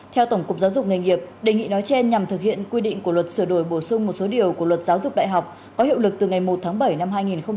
theo tổng cục giáo dục nghề nghiệp đề nghị nói trên nhằm thực hiện quy định của luật sửa đổi bổ sung một số điều của luật giáo dục đại học có hiệu lực từ ngày một tháng bảy năm hai nghìn hai mươi